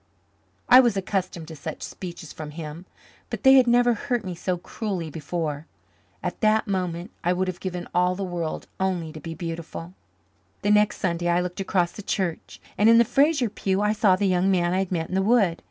I was accustomed to such speeches from him, but they had never hurt me so cruelly before. At that moment I would have given all the world only to be beautiful. The next Sunday I looked across the church, and in the Fraser pew I saw the young man I had met in the wood.